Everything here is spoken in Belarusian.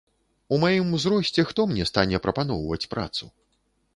У маім узросце хто мне стане прапаноўваць працу?